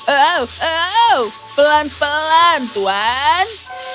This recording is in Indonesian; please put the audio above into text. oh oh pelan pelan tuan